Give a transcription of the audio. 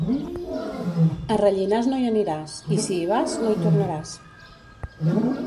A Rellinars no hi aniràs, i si hi vas, no hi tornaràs.